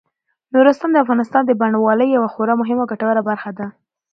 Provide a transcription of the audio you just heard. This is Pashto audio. نورستان د افغانستان د بڼوالۍ یوه خورا مهمه او ګټوره برخه ده.